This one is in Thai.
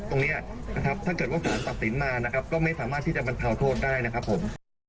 ตรงนี้นะครับถ้าเกิดว่าสารตัดสินมานะครับก็ไม่สามารถที่จะบรรเทาโทษได้นะครับผม